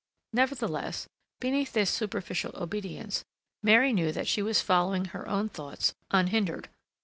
Nevertheless, beneath this superficial obedience, Mary knew that she was following her own thoughts unhindered.